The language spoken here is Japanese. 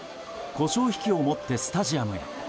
コショウひきを持ってスタジアムへ。